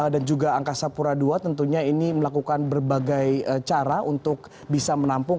dan juga angkasa purwadua tentunya ini melakukan berbagai cara untuk bisa menampung